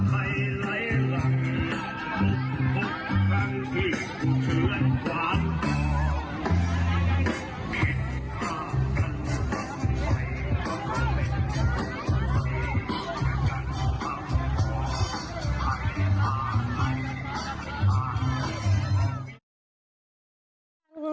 กระกันทำความใครตาใคร